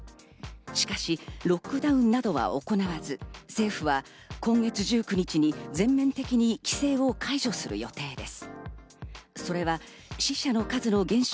しかしロックダウンなどは行わず、政府は今月１９日に全面的に規制を解除する予定です。